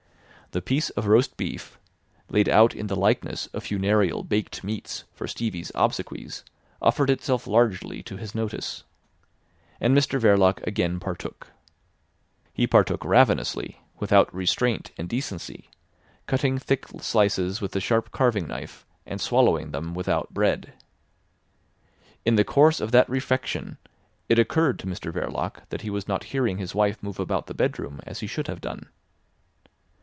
The piece of roast beef, laid out in the likeness of funereal baked meats for Stevie's obsequies, offered itself largely to his notice. And Mr Verloc again partook. He partook ravenously, without restraint and decency, cutting thick slices with the sharp carving knife, and swallowing them without bread. In the course of that refection it occurred to Mr Verloc that he was not hearing his wife move about the bedroom as he should have done.